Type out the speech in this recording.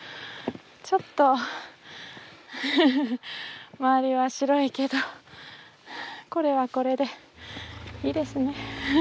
ちょっと周りは白いけどこれはこれでいいですね。